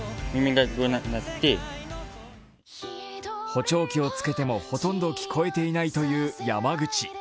補聴器をつけても、ほとんど聞こえていないという山口。